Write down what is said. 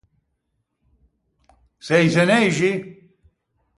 Sei zeneixi?